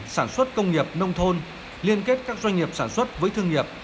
sản xuất công nghiệp nông thôn liên kết các doanh nghiệp sản xuất với thương nghiệp